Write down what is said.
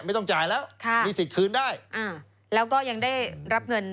ไม่ต้องจ่ายแล้วค่ะมีสิทธิ์คืนได้อ่าแล้วก็ยังได้รับเงิน